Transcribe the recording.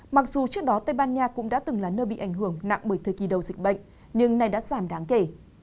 mặc dù trước đó tây ban nha cũng đã từng là nơi bị ảnh hưởng nặng bởi thời kỳ đầu dịch bệnh nhưng nay đã giảm đáng kể